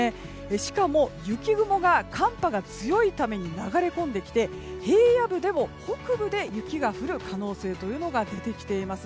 しかも雪雲が寒波が強いために流れ込んできて平野部でも北部で雪が降る可能性が出てきています。